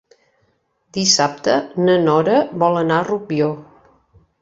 Dissabte na Nora vol anar a Rubió.